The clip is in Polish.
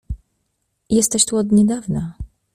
"Jesteś tu od niedawna."